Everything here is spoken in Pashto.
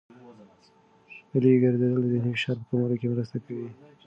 پلي ګرځېدل د ذهني فشار په کمولو کې مرسته کوي.